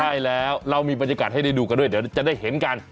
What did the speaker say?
ใช่แล้วเรามีบรรยากาศให้ได้ดูกันด้วยเดี๋ยวจะได้เห็นกัน